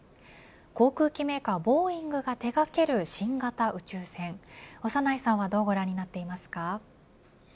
航空機メーカーボーイングが手掛ける新型宇宙船長内さんはどうご覧になっていますか。